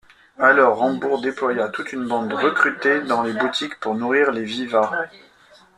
Alors Rambourg déploya toute une bande recrutée dans les boutiques pour nourrir les vivats.